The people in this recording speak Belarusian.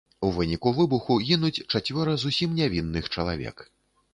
У выніку выбуху гінуць чацвёра зусім нявінных чалавек.